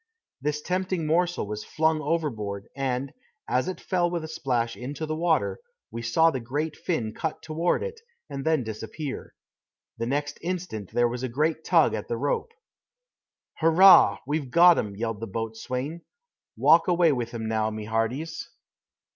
This tempting morsel was flung overboard, and, as it fell with a splash into the water, we saw the fin cut toward it, and then disappear. The next instant there was a great tug at the rope. "Hurrah! we've got 'um!" yelled the boatswain. "Walk away with 'im now, my hearties."